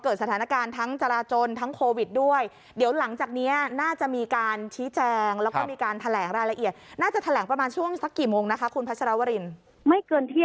เพราะว่าตอนนี้จะกำลังมีการประชุมหาข้อสรุปและก็หารือ